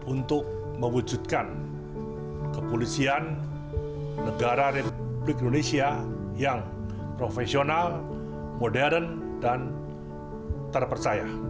untuk mewujudkan kepolisian negara republik indonesia yang profesional modern dan terpercaya